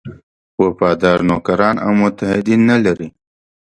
وفادار نوکران او متحدین نه لري.